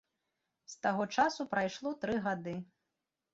З таго часу прайшло тры гады.